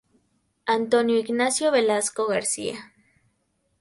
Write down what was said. Antonio Ignacio Velasco García.